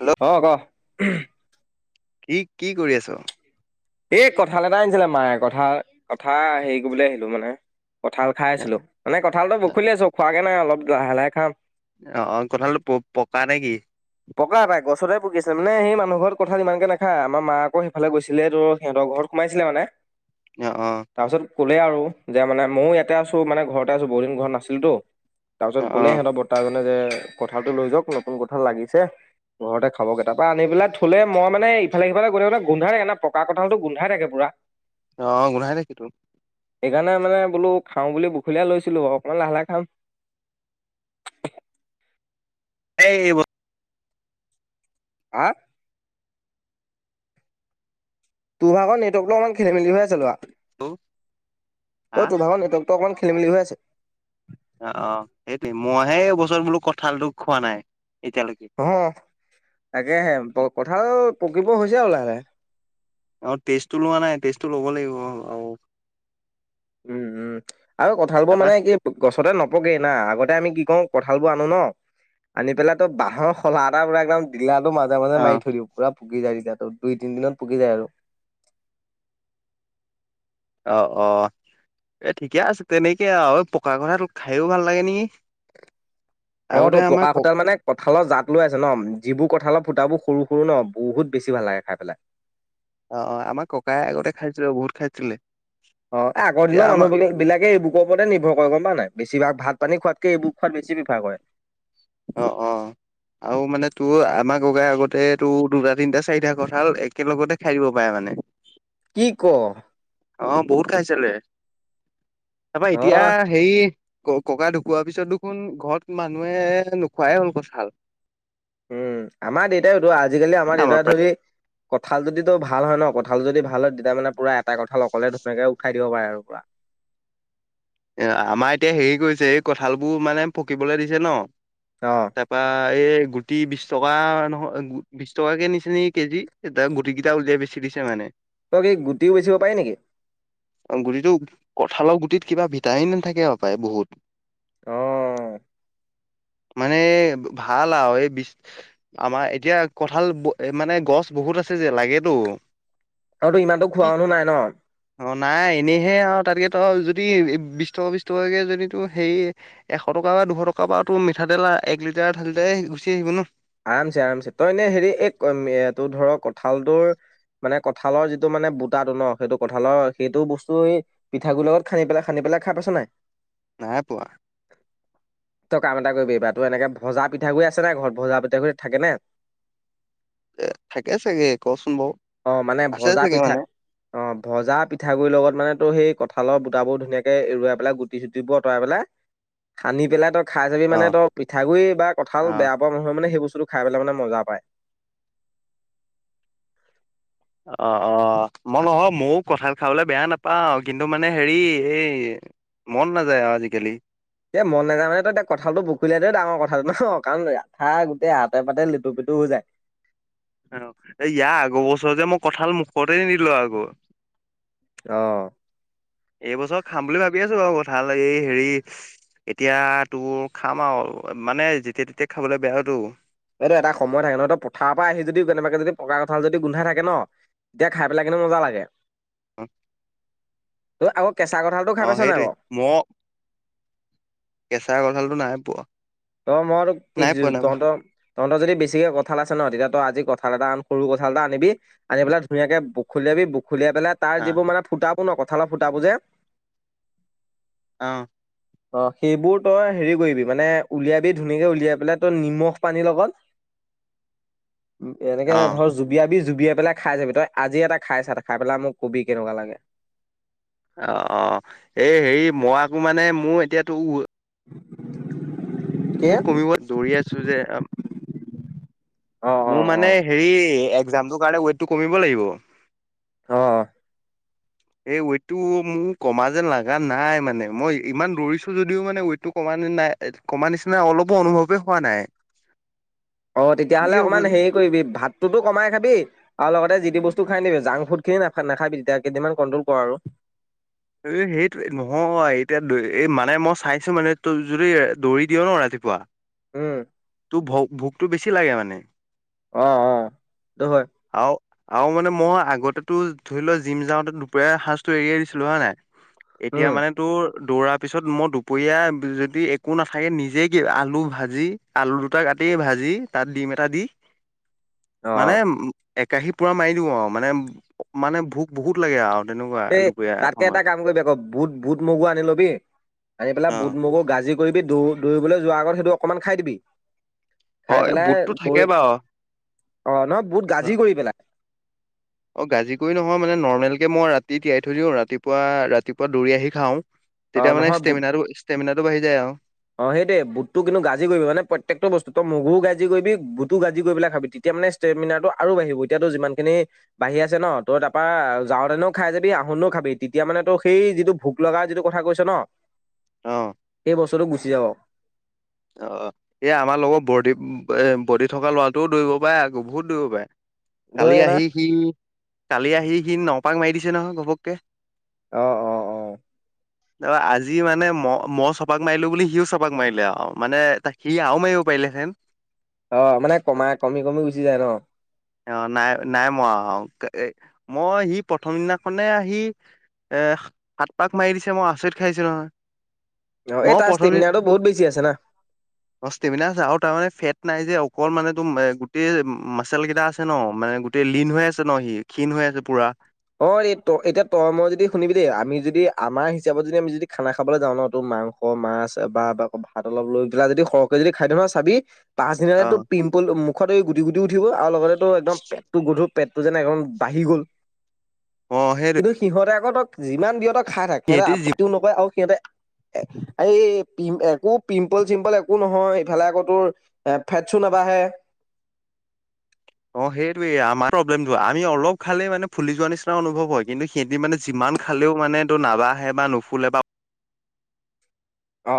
Hello অ ক কি কি কৰি আছ এই কঁঠাল এটা আনিছিলে মায়ে কঠাল কথা হেৰি কৰিবলে আহিলো মানে কঁঠাল খাই আছিলো মানে কঁঠালটো বুখলি আছো খোৱাগে নাই অলপ লাহে লাহে খাম অহ কঠালটো প পকা নে কি পকা পাই গছতে মানে সেই মানুহ ঘৰত কঠাল ইমানকে নাখায় আমাৰ মা আক সেইফালে গৈছিলে তো সিহঁতৰ ঘৰত সোমাইছিলে মানে অ অ তাৰপিছত ক'লে আৰু যে মানে ময়ো ইয়াতে আছোঁ মানে ঘৰতে আছো বহুতদিন ঘৰত নাছিলোতো তাৰপিছত অ কলে অ সিহতৰ বৰ্তাজনে যে কঠালটো লৈ যাওক নতুন কঠাল লাগিছে ঘৰতে খাব গে তাপা আনি পেলাই থলে মই মানে ইফালে সিফালে গৈ থাকোতে গোন্ধাই থাকে না পকা কঠা কঠালটো গোন্ধাই থাকে পুৰা অ গোন্ধাই থাকেতো সেইকাৰণে মানে বোলো খাওঁ বুলি বখলীয়া লৈছিলো অলপমান লাহে লাহে খাম এই এইব হা তোৰ ভাগৰ নেটৱৰ্কতো অকমান খেলি মেলি হৈ আছে লআ বস্তু হা অ তোৰ ভাগৰ নেট ত অকমান খেলি মেলি হৈ আছে অ অ সেইটোএ মইহে এইবছৰত বোলো কঁঠালটো খোৱা নাই এতিয়ালৈকে অ তাকেহে কঠাল পকিব হৈছে আও লাহে লাহে আৰু তেজটো লোৱা নাই তেজটো ল'ব লাগিব আৰু উম উম আৰু কঁঠাল বোৰ তাৰপা মানে কি গছতে নপগে না আগতে আমি কি ক কঠাল বোৰ আনো ন আনি পেলাই তই বাহৰ খলা এটা বনাই একদম পিলা মাজ মাজ অ মিৰি পুৰা পুকি যায় তেতিয়া দুই তিন দিনত পুকি যায় আৰু অ অ এ ঠিকে আছে তেনেকে আৰু পকা কঁঠাল খাইও ভাল লাগে নেকি অ আগতে তোৰ আমাৰ পকা ক কঁঠাল মানে কঁঠালৰ জাত লৈ আছে ন যিবোৰ কঠালত ফুতাবোৰ সৰু সৰু ন বহুত বেছি ভাল লাগে খাই পেলাই অ আমাৰ ককাই আগতে খাইছিলে বহুত খাইছিলে অ এ আগৰ এতিয়া দিনৰ আমাৰ মানুহ বিলাক বিলাকে এই বুকৰ ওপতে নিৰ্ভৰ গম পা নাই বেছিভাগ ভাত পানী খোৱাতকে এইবোৰ খোৱাত বেছি প্ৰেফাৰ কৰে অ অ আৰু মানে তোৰ আমাৰ গগাই আগতে তোৰ দুটা তিনটা চাৰিটা কঁঠাল একেলগতে খাই দিব পাৰে মানে নে কি ক অ বহুত খাইচিলে তাৰপা এতিয়া হয় হে ককা ঢুকোৱাৰ পিছত দেখোন ঘৰত মানুহে নোখোৱাই হ'ল কঁঠাল উম আমাৰ দেউতাইতো আজিকালি আমাৰ দেউতাইটো হেই কঁঠাল যদি তো ভাল হয় ন কঁঠাল যদি ভাল হয় তেতিয়া মানে পুৰা এটা কঁঠাল অকলে ধুনীয়াকে উঠাই দিব পাৰে আৰু পুৰা [inaudible] এ আমাৰ এতিয়া হেৰি কৰিছে এই কঁঠাল বোৰ মানে পকিবলৈ দিছে ন অ তাৰপা এই গুটি বিশ টকা নহয় বিশ টকা কে নিচে নি কেজি এতিয়া গুটি কেইটা উলিয়াই বেছি মানে তই কি গুটিও বেচিব পাৰি নেকি? গুটিটো থালৰ গুটিত কিবা ভিটামিন থাকে হবপায় বহুত আহ [inaudible] মানে ভাল আৰু এই বি আমাৰ এতিয়া কঠাল মানে গছ বহুত আছে ছে যে লাগেতো অ তোৰ ইমানতো খোৱা কি মানুহ নাই ন? অ নাই এনেইহে আৰু তাতকে তই যদি বিশ টকা বিশ টকাকে যদি তো হেৰি এশ টকা বা দুশ টকাৰ পৰা তোৰ মিঠাতেল এক লিটাৰ ঢালিতে গুচি আহিব ন আৰামছে আৰামছে তই এনে হেৰি এই তোৰ ধৰ কঁঠালটোৰ মানে কঁঠালৰ যিটো মানে বুটাটো ন সেইটো কঁঠালৰ সেইটো বস্তু এই পিঠাগোৰিৰ লগত খানি পেলাই খনো পাইছ বেলে খাই পাইছা নাই নাই পোৱা তই কাম এটা কৰিবি এইবাৰ তই এনেকে ভজা পিঠাগুৰি আছে নাই ঘৰত ভজা পিঠা পিঠা গুৰি থাকে ন এ থাকে চাগে কচোন বাৰু অ মানে আছে ভজা চাগে পিঠা মানে অ ভজা পিঠাগুৰি লগত মানে তো সেই ক কঁঠালৰ বুটাবোৰ ধুনীয়াকে এৰুৱাই পেলাই গুটি চুটিবোৰ আঁতৰাই পেলাই সানি পেলাই ত খাই চাবি অ মানে ত পিঠাগুডৰি বা কঠাল অ বেয়া পোৱা নহয় মানে সেই বস্তু ব খাই পেলাই মানে মজা পায় অ' অ' মই নহয়, ময়ো কঠাল খাবলৈ বেয়া নাপাওঁ। কিন্তু, মানে হেৰি এই মন নাযায় আজিকালি। এ মন নাযায় মানে তই এয়া কঁঠালটো [unintelligible] দু- হাজাৰ অ'ইয়াৰ আগৰ বছৰত যে মই কঁঠাল মুখতে নিলো আকৌ। অ ' এইবছৰত খাম বুলি ভাবি আছো বাৰু এ কঁঠাল এই হেৰি এতিয়া তোৰ খাম আৰু। মানে যেতিয়া তেতিয়া খাবলে বেয়াতো। এইটো এটা সময় থাকে ন' তো পথাৰ পৰা আহি যদিও কেনেবাকে যদি পকা কঁঠাল যদি গোন্ধ থাকে ন' এতিয়া খাই পেলাই কিন্তু মজা লাগে। অ ' তই আকৌ কেঁচা কঁঠালটো খাই পাইছ নাই বাৰু? মই কেঁচা কঠালতো নাহাই পোৱা। অ' মই নাই পোৱা নাই পোৱা তহত তহঁতৰ যদি বেছিকে কঠাল আছে ন' তেতিয়া ত আজি কঠাল এটা আন সৰু কঠাল এটা আনিবি আনি পেলাই ধুনীয়াকে বখলীয়া বি। খুলিয়াই পেলাই তাৰ অ যিবোৰ মানে ফুটাবোৰ ন' কঁঠালত ফুটা বোৰ যে অ ' অ' সেইবোৰ তই হেৰি কৰিবি মানে। উলিয়াবি ধুনীয়াকে উলিয়াই পেলাই তই নিমখ পানী লগত। উ এনেকে অ ধৰ জুবিয়াবি জুবিয়াই পেলাই খাই চাবি তই আজি এটা খাইছাটা খাই পেলাই মোক কবি কেনেকুৱা লাগে। অ' অ' এই হেৰি মই আকো মানে মোৰ এতিয়া তোৰ। কি? টোৰ কমিব দৌৰি আছো যে অ অ মোৰ অ মানে হেৰি একজামটোৰ কাৰণে ৱেইটটো কমিব লাগিব। অ' এই ৱেইট টো মোৰ কমা যেন লগা নাই মানে মই ইমান দৌৰিছো যদিও মানে ৱেইটটো কমা নাই কমা নিচিনা অলপো অনুভৱে হোৱা নাই। অঁ, কি তেতিয়াহলে হ'ব অকণমান হেৰি কৰিবি ভাতটোতো কমাই খাবি আৰু লগতে যিতি বস্তু খাই নিবি জাংক ফুড খিনি নখাবি তেতিয়া কেইদিন কণ্ট্ৰল কৰ আৰু। এ সেইটো নহয় এতিয়া এই মানে মই চাইছো মানে ত যদি দৌৰি দিয় ন ৰাতি পুৱা। উম। ভ ভোকতটো বেছি লাগে মানে। অঁ, অঁ ত হয়। আৰু আৰু মানে মই আগতেতো ধৰি লোৱা জিম যাওঁতে দুপৰীয়া সাঁজটো এৰিয়াই দিছিলো হয় নাই? এতিয়া উম মানে তোৰ? দৌৰাৰ পিছত মই দুপৰীয়া যদি একো নাথাকে নিজে কি আলু ভাজি আলু দুটা কা তেই ভাজি তাত ডিম এটা দি অ মানে উ একাশী পুৰা মাৰি দিও আৰু মানে মানে ভোক বহুত লাগে আৰু হেনেকুৱা দুপৰীয়া। তে এটা সময়ত কাম কৰিবি আকৌ বুট বুট, মগু আনি লবি আনি পেলাই অ বুট, মগু গাজি কৰিবি দৌ দৌৰিবলৈ যোৱাৰ আগত সেইটো অকনমান খাই দিবি। অ খাই এই পেলাই বুটটো থাকে দৌৰি বাৰু অ ন বুট গাজি কৰি পেলাই। অঁ, গাজিক নহয় মানে নৰ্মেলকে মই ৰাতি তিয়াই থৈ দিওঁ ৰাতিপুৱা ৰাতিপুৱা দৌৰি আহি খাওঁ। অ তেতিয়া মানে ষ্টেমিনাৰটো -ষ্টেমিনাৰটো বাঢ়ি যায় আৰু। অঁ, সেইটোৱে বুটটো কিন্তু গাজি কৰিব মানে প্ৰত্যেকটো বস্তু তই মগুও গাজি কৰিবি বুটটো গাজি কৰিব পেল খাবি তেতিয়া মানে ষ্টেমিনাৰটো আৰু বাঢ়িব এতিয়াতো যিমান খিনি বাঢ়ি আছে ন ত তাৰপা যাওঁতেনেও খাই যাবি আহোনো খাবি তেতিয়া মানে তো সেই যিটো ভোক লগা যিটো কথা কৈছ ন? অ এই বছৰটো গুচি যাব। অ, এই আমাৰ লগৰ বড এ বডি থকা ল'ৰাটোও দৌৰিব পাৰে, বহুত দৌৰিব পাৰে। দৌৰে কালি না আহি সি কালি, আহি সি নপাক মাৰি দিছে নহয় ঘপককে। অ অ অ ত আজি মানে ম মই চপাক মাৰিলো বুলি, সিও চপাক মাৰিলে আৰু মানে ত সি আৰু মাৰিব পাৰিলেহেন অ মানে কমাই, কমি কমি গুচি যায় ন। অ নাই নাই মোৰা আৰু মই সি প্ৰথম দিনাখনে আহি এ সাত পাক মাৰি দিছে মই আচৰিত খাইছিলো নহয়। অ এই মইয় তাৰ প্ৰথম ষ্টেমিনাৰটো বহুত বেছি আছে না অষ্টিম আৰু তাৰমানে ফেট- নাই যে অকল মানে তোম গোটেই মাচেল কেইটা আ আছে ন মানে গোটেই লীন হৈ আছে ন সি ক্ষীণ হৈ আছে পুৰা অ এই ত এতিয়া তই মই যদি শুনিবি দেই আমি যদি আমাৰ হিচাপত যদি আমি যদি খানা খাবলৈ যাওঁ ন ত মাংস, মাছ বা ভাত অলপ লৈ পেলা যদি সৰহকে যদি খাই ন চাবি অ পাছদিনতে পিম্পল, মুখত এই গুটি গুটি উঠিব আৰু লগতে একদম পেটটো গধুৰ পেটটো যেনে এক বাঢ়ি গ'ল, অ সেইটোৱে কিন্তু সিহঁতে আকৌ ত যিমান দিও খাই থাক। সিহঁতে সিহঁতি যি আপত্তিও নকয় আৰু সিহঁতে [unintelligible] এই পি, একো পিম্পল চিম্পল একো নহয়। ইফালে আকৌ তোৰ এ ফেটছো নাবাঢ়ে। [unintelligible] [unintelligible] অ সেইটোয়ে আমাৰ প্ৰলেমটো। আমি অলপ খালে মানে ফুলি যোৱা নিচিনা অনুভৱ হয়। কিন্তু সেইদিন মানে যিমান মান খালেও মানে এইটো নাবাহে বা নুফুলে বা অ।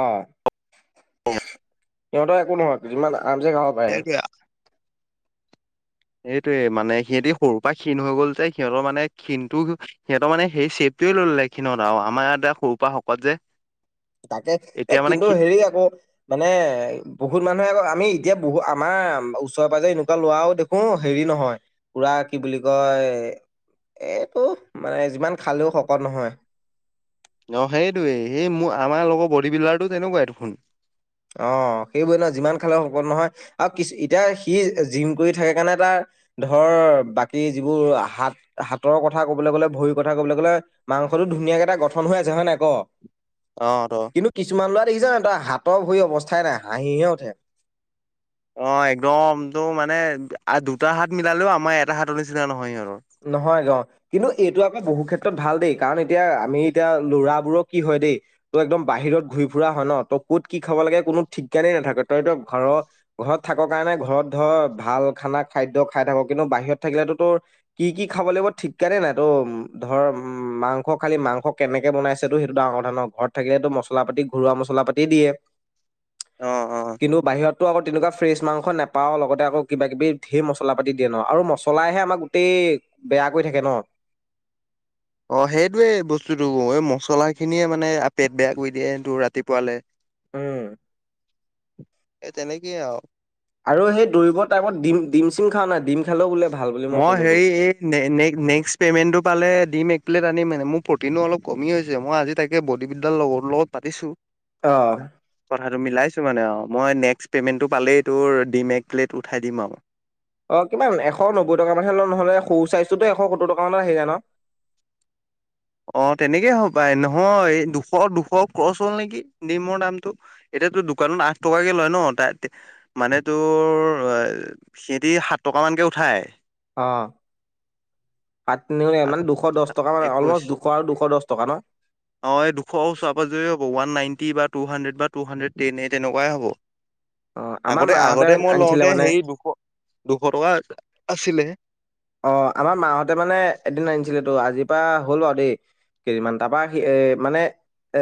সিহঁতৰ একো নহয় যিমান আৰামছে খাব পাৰে। এইটোয়ে মানে, সিহঁতি সৰুৰ পৰা ক্ষণ হৈ গ'ল যে সিহঁতৰ মানে ক্ষণটো সিহঁতৰ মানে সেই টোৱে ললে এই কিনত আৰু আমাৰ ইতিতে সৰুৰ পৰা শকত যে তাকে এ এতিয়া মানে কিন্তু ক্ষী হেৰি আকৌ মানে বহুত মানুহে আকৌ আমি এতিয়া বহু আমাৰ ওচৰে পাঁজৰে এনেকুৱা লৰাও দেখো হেৰি নহয় পুৰা কি বুলি কয় এইটো মানে যিমান খালেও শকত নহয় অ সেইটোৱেই সেই মোৰ আমাৰ লগৰ বডী বিল্ডাৰটো তেনেকুৱাই দেখোন। অ সেইবোৰে নহয় যিমান খালৰ সম্পদ নহয়। আৰু কি এতিয়া সি জিম কৰি থাকে কাৰণে তাৰ ধৰ বাকী যিবোৰ হাত হাতৰ কথা কবলৈ গ'লে ভৰিৰ কথা কবলৈ গ'লে মাংস মাংসতো ধুনীয়াকে এটা গঠন হৈ আছে। হয় নে নাই ক? অ ত কিন্তু কিছুমান লৰা দেখিছানে তই হাতৰ ভৰি অৱস্থাই নাই। হাঁহিহে উঠে অ একদম তটো মানে দুটা হাত মিলালেও আমাৰ এটা হাতৰ নিচিনা নহয় সিহঁত নহয় গে, কিন্তু এইটো আকৌ বহু ক্ষেত্ৰত ক্ষেত্ৰত ভাল দেই। কাৰণ এতিয়া আমি এতিয়া ল'ৰাবোৰৰ কি হয় দেই তই একদম বাহিৰত ঘূৰি ফুৰা হয় ন ত ক'ত কি খাব লাগে কোনো ঠিকানেই নাথাকে। তইতো ঘৰৰ ঘৰত থাক কাৰণে ঘৰত ধৰ ভাল খানা খাদ্য খাই থাকো। কিন্তু বাহিৰত থাকিলে কি কি খাব লাগিব ঠিকানে নাই, তো ধৰ উ মাংস খালি মাংস কেনেকে বনাইছে টো সেইটো ডাঙৰ ঘৰত থাকিলেতো মছলা পাতি ঘৰুৱা মছলা পাতি দিয়ে। অ অ টো আকৌ তেনেকুৱা ফ্ৰেছ মাংস নাপাওঁ, লগতে আকৌ কিবা কিবি ধেৰ মছলা পাতি দিয়ে ন আৰু মছলাইহে আমাক অতি বেয়া কৰি থাকে ন! অ সেইটয়ে বস্তুটো। এই মছলা খিনিয়ে মানে পেট বেয়া কৰি দিয়েটো ৰাতিপুৱালে। উম এ তেনেকেইে আৰু আৰু সেই দৌৰিবৰ টাইমত ডিম ডিম চিম খাও নাই ডিম খালেও বোলে ভাল বুলি মই শুনোতো। হেৰি এই নেক্স পেমেন্টটো পালে দিম প্লেট আনি মানে। মোৰ প্ৰটিনো অলপ কমি হৈছে মই আজি তাকে বডি বিল্ডৰ লগৰ লগত পাতিছোঁ। আহ আৰু মিলাইছো মানে অ' মই নেক্সট পে'মেণ্টটো পালেই তোৰ ডিম একগ প্লেট উঠাই দিম আৰু অ' কিমান এশ নব্বৈ টকা মানহে ল' নহ'লে সৰু চাইজ টোতো এশ সত্তৰ টকা মানত আহি যায় ন'। [inaudible] অ' তেনেকেই হ' পাই নহয় দুশ, দুশ ক্ৰচ হ'ল নেকি নিমৰ দামটো। এতিয়া তো দোকানত আঠ টকাকে লয় ন' ত মানে তোৰ অ' সি দি সাত টকা। অমানকৈ উঠায়। অ' পাত মানে দুশ দহ টকা মানে একৈশ অলমষ্ট দুশ আৰু দুশ দহ টকা ন। অ' এই দুশ ওচৰে-পাজৰে one. Ninety two hundred, hundred ten এই তেনেকুৱাই হ'ব। অ' আমাৰ আগতে মাহঁতে আগতে মই আনিছিলে লওঁতে, মানে। সেই দুশ-দুশ টকা আছিলে। অ' আমাৰ মাহঁতে মানে এদিন আনিছিল তো আজিৰ পৰা হ'ল বাৰু দেই। কেজিমান তাৰপা সি এ মানে।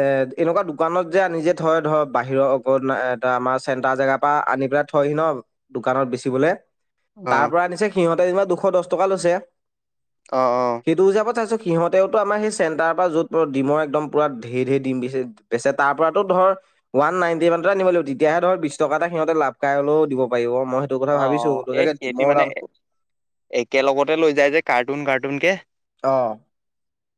এ এনেকুৱা দোকানত যে আনি যে থয় ধৰ বাহিৰৰ অক এ আমাৰ চেণ্টাৰ জেগাৰ পৰা আনি পেলাই এ থয়হি ন দোকানত বেচিবলৈ অ তাৰ পৰা আনিছে সিহঁতে যেনিবা দুশ দহ টকা লৈছে অ অ সেইটো বুজাব চাইছো। সিহঁতেওতো আমাৰ সেই চেণ্টাৰ পৰা য'ত ডিমৰ একদম পুৰা ধেৰ-ধেৰ ডিম বেচে তাৰ পৰাতো ধৰ। ওৱান নাইনটি মানতে আনিব লাগিব, তেতিয়াহে ধৰক বিশ টকা এটা সিহঁতে লাভ খাই হ'লেও দিব পাৰিব। মই সেইটো কথা অ ভাবিছো, অ তোৰ এই ছাগে সিহঁতি দিমৰ মানে দামটো একেলগতে লৈ যায় যে কাৰ্টুন, কাৰ্টুন কে অ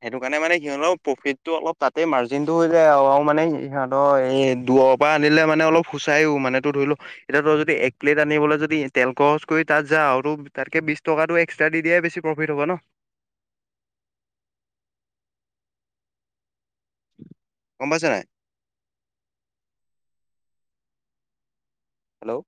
সেইটো কাৰণে মানে সিহঁতক। প্ৰফিতটো অলপ তাতেই মাৰ্জিনটো হৈ যায় আৰু মানে ইহঁতৰ এই দূৰৰ পৰা আনিলে মানে অল চাইও মানে তো ধৰি লো এতিয়া তই যদি এক প্লেট আনিবলৈ যদি তেল খৰচ কৰি তাত যাওঁ, তাতকে বিশ টকাটো এক্সট্ৰা দি দিয়াই বেছি প্ৰফিট হ'ব ন। [inaudible] গম পাইছে নাই। হেল্ল'।